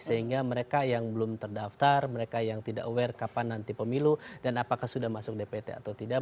sehingga mereka yang belum terdaftar mereka yang tidak aware kapan nanti pemilu dan apakah sudah masuk dpt atau tidak